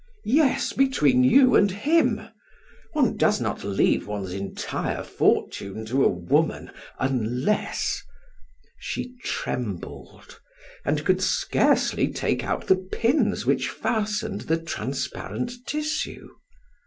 "Yes, between you and him! One does not leave one's entire fortune to a woman unless " She trembled, and could scarcely take out the pins which fastened the transparent tissue.